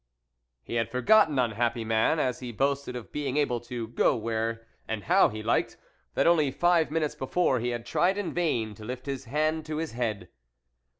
He had forgotten, unhappy man, as he boasted of being able to go where and how he liked, that only five minutes before he had tried in vain to lift his hand to his head.